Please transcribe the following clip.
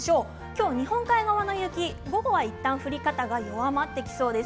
日本海側の雪、ここはいったん降り方は弱まってきそうです。